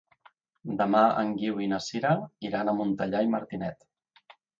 Demà en Guiu i na Sira iran a Montellà i Martinet.